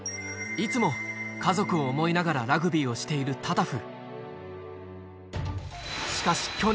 いつも家族を思いながらラグビーをしているタタフ